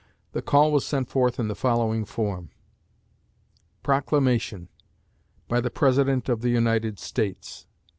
The call was sent forth in the following form: PROCLAMATION. By the President of the United States.